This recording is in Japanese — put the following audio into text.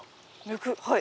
はい。